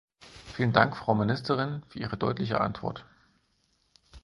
Vielen Dank, Frau Ministerin, für Ihre deutliche Antwort.